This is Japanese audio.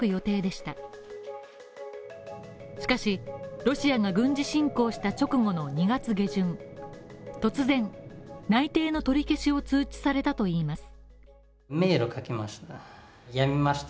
しかし、ロシアが軍事侵攻した直後の２月下旬、突然内定の取り消しを通知されたといいます。